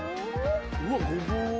うわっごぼう。